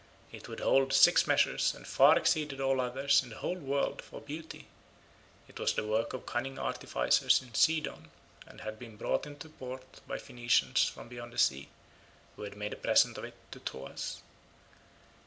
It would hold six measures, and far exceeded all others in the whole world for beauty; it was the work of cunning artificers in Sidon, and had been brought into port by Phoenicians from beyond the sea, who had made a present of it to Thoas.